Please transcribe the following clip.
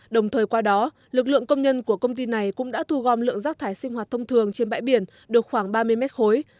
đồng thời qua đó lực lượng công nhân của công ty này cũng đã thu gom lượng rác thải sinh hoạt thông thường trên bãi biển được khoảng ba mươi mét khối